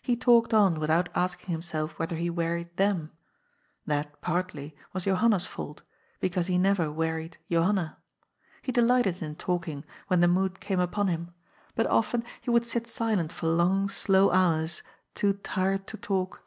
He talked on without asking himself whether he wearied them. That, partly, was Johanna's fault, because he never wearied Johanna. He delighted in talking, when the mood came upon him, but often he would sit silent for long, slow hours, too tired to talk.